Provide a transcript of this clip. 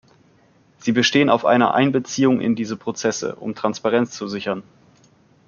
Sie bestehen auf einer Einbeziehung in diese Prozesse, um Transparenz zu sichern.